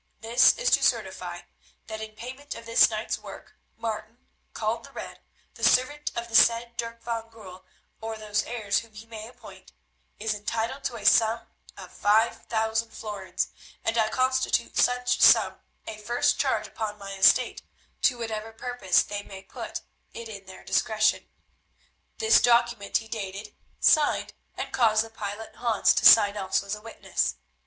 This is to certify that in payment of this night's work Martin, called the Red, the servant of the said Dirk van Goorl, or those heirs whom he may appoint, is entitled to a sum of five thousand florins, and I constitute such sum a first charge upon my estate, to whatever purpose they may put it in their discretion." This document he dated, signed, and caused the pilot Hans to sign also as a witness.